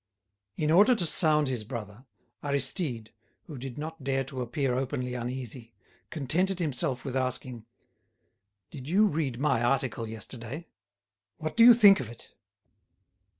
In order to sound his brother, Aristide, who did not dare to appear openly uneasy, contented himself with asking: "Did you read my article yesterday? What do you think of it?"